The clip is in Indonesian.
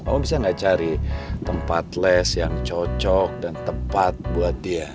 om bisa nggak cari tempat les yang cocok dan tepat buat dia